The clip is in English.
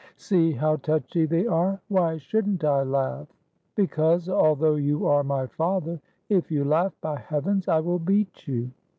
" See how touchy they are! Why should n't I laugh? " "Because, although you are my father, if you laugh, by Heavens, I will beat you!"